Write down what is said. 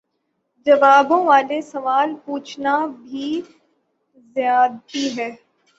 جوابوں والے سوال پوچھنا بھی زیادتی ہے